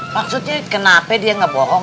maksudnya kenapa dia nggak bohong